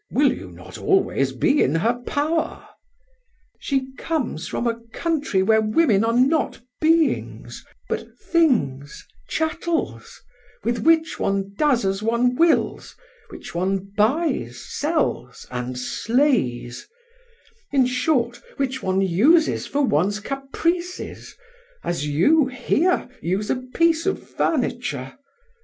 "Will you not always be in her power?" "She comes from a country where women are not beings, but things chattels, with which one does as one wills, which one buys, sells, and slays; in short, which one uses for one's caprices as you, here, use a piece of furniture.